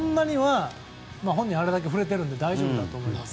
本人もあれだけ振れているので大丈夫だと思います。